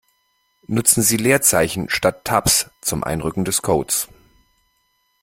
Nutzen Sie Leerzeichen statt Tabs zum Einrücken des Codes.